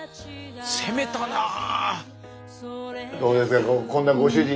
攻めたなあ！